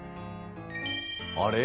あれ？